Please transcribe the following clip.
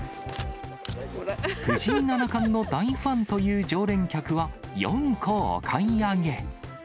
藤井七冠の大ファンという常連客は４個お買い上げ。